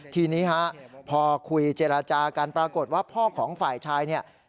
ทีนี้ฮะพอคุยเจรจากันปรากฏว่าพ่อของฝ่ายชายเนี่ย